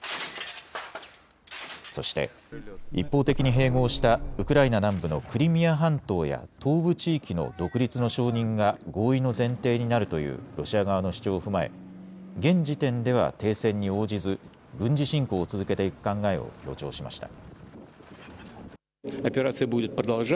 そして、一方的に併合したウクライナ南部のクリミア半島や東部地域の独立の承認が合意の前提になるというロシア側の主張を踏まえ現時点では停戦に応じず軍事侵攻を続けていく考えを強調しました。